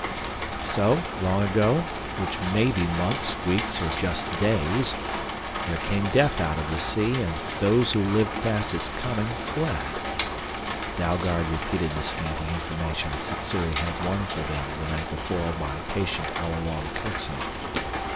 "So, long ago which may be months, weeks, or just days there came death out of the sea, and those who lived past its coming fled " Dalgard repeated the scanty information Sssuri had won for them the night before by patient hour long coaxing.